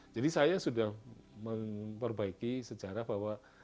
jadi saya sudah memperbaiki sejarah bahwa